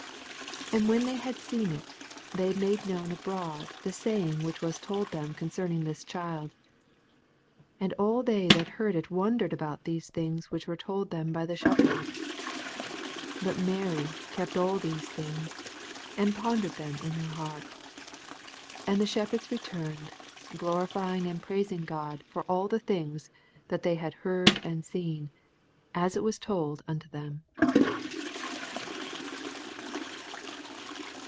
17 And when they had seen Uy thev made known abroad the saying whicn was told them concerning this child. 18 And till they that heard U won dered at those things which were told them by the shepherds. 19 But Mary kept all these things, and pondered them in her heart. 20 And the shepherds returned, glorifying and praising God for all the things that they mtd heard anu seen, as it was told unto them.